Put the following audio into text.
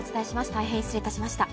大変失礼いたしました。